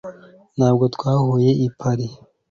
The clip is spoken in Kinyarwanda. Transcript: ntabwo twahuye i paris